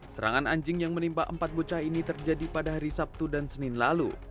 serangan anjing yang menimpa empat bocah ini terjadi pada hari sabtu dan senin lalu